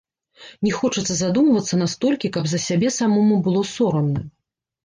Не хочацца задумвацца настолькі, каб за сябе самому было сорамна.